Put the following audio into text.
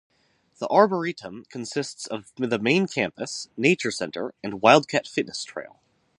The Arboretum consists of the main campus, Nature Center, and Wildcat Fitness Trail.